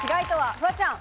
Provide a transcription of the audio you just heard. フワちゃん。